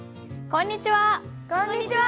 こんにちは！